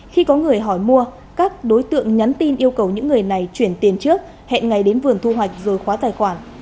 khi có người hỏi mua các đối tượng nhắn tin yêu cầu những người này chuyển tiền trước hẹn ngày đến vườn thu hoạch rồi khóa tài khoản